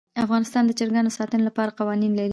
افغانستان د چرګانو د ساتنې لپاره قوانین لري.